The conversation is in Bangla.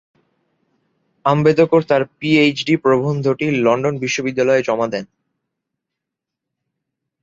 আম্বেদকর তার পিএইচডি প্রবন্ধটি লন্ডন বিশ্ববিদ্যালয়ে জমা দেন।